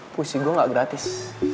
puisi gue gak gratis